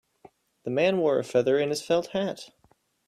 The man wore a feather in his felt hat.